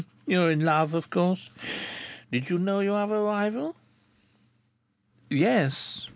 "You're in love, of course. Did you know you have a rival?" "Yes."